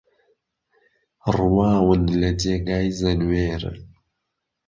ڕواون لە جێگای زەنوێر